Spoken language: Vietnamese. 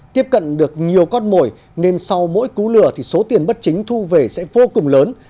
tiếp cận được nhiều con mồi nên sau mỗi cú lừa thì số tiền bất chính thu về sẽ vô cùng lớn